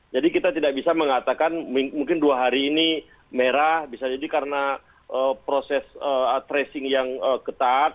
jadi kita tidak bisa mengatakan mungkin dua hari ini merah bisa jadi karena proses tracing yang ketat